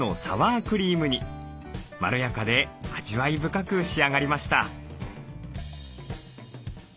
まろやかで味わい深く仕上がりました。